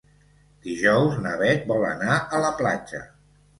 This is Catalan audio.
Dijous na Bet vol anar a la platja.